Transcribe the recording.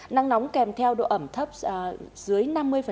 nắng nóng kèm theo độ ẩm thấp dưới năm mươi